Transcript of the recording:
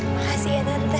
makasih ya tante